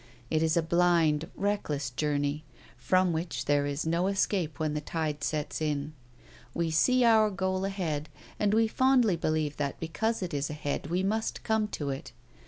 It is a blind, reckless journey, from which there is no escape when the tide sets in. We see our goal ahead, and we fondly believe that because it is ahead we must come to it.